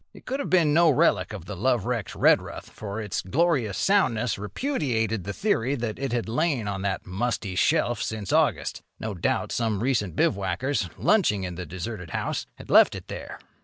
It could have been no relic of the lovewrecked Redruth, for its glorious soundness repudiated the theory that it had lain on that musty shelf since August. No doubt some recent bivouackers, lunching in the deserted house, had left it there.